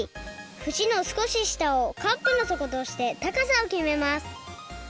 ふしのすこししたをカップの底としてたかさをきめます。